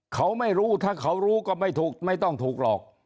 เขาไม่รู้ถ้าเขารู้ก็ไม่ถูกไม่ต้องถูกหลอก